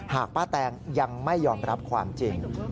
หากป้าแตงยังไม่ยอมรับความจริง